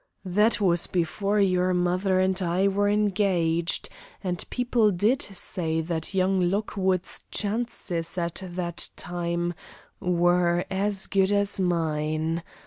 "That was before your mother and I were engaged, and people did say that young Lockwood's chances at that time were as good as mine.